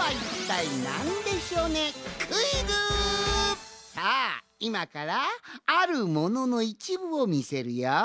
それじゃあさあいまから「あるもの」のいちぶをみせるよ。